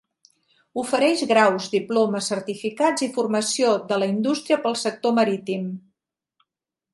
Ofereix graus, diplomes, certificats i formació de la indústria per al sector marítim.